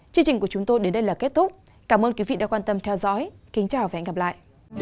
chương trình của chúng tôi đến đây là kết thúc cảm ơn quý vị đã quan tâm theo dõi kính chào và hẹn gặp lại